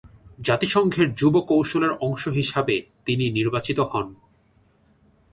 জাতিসংঘের যুব কৌশলের অংশ হিসাবে তিনি নির্বাচিত হন।